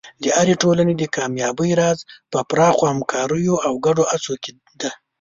د هرې ټولنې د کامیابۍ راز په پراخو همکاریو او ګډو هڅو کې دی.